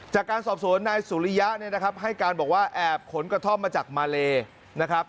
จากการสอบสวนนายสุริยะเนี่ยนะครับให้การบอกว่าแอบขนกระท่อมมาจากมาเลนะครับ